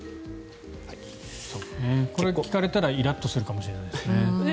聞かれたら、イラッとするかもしれないですね。